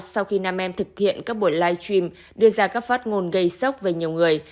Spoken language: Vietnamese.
sau khi nam em thực hiện các buổi livestream đưa ra các phát ngôn gây sốc về nhiều người